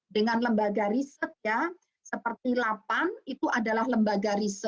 dengan lembaga riset ya seperti lapan itu adalah lembaga riset